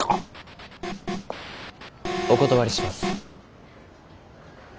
お断りします。